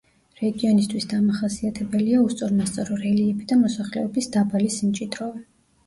რეგიონისთვის დამახასიათებელია უსწორმასწორო რელიეფი და მოსახლეობის დაბალი სიმჭიდროვე.